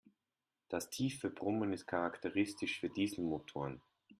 Das tiefe Brummen ist charakteristisch für Dieselmotoren.